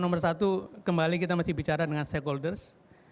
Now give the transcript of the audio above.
nomor satu kembali kita masih bicara dengan stakeholders